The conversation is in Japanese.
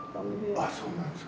あそうなんですか。